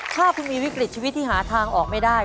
ถ้าคุณมีวิกฤตชีวิตที่หาทางออกไม่ได้